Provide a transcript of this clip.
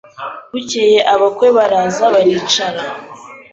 Bukeye abakwe baraza baricara